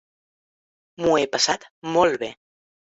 M'ho he passat molt bé.